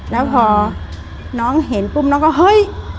แล้วพอน้องเห็นปุ๊บน้องก็เฮ้ย